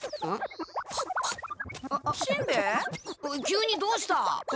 急にどうした？